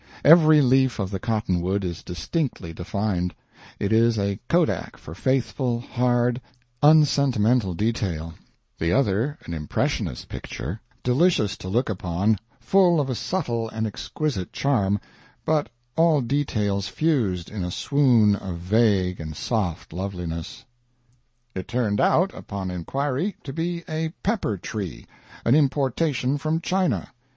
Every leaf of the cottonwood is distinctly defined it is a kodak for faithful, hard, unsentimental detail; the other an impressionist picture, delicious to look upon, full of a subtle and exquisite charm, but all details fused in a swoon of vague and soft loveliness." It turned out, upon inquiry, to be a pepper tree an importation from China.